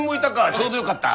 ちょうどよかった！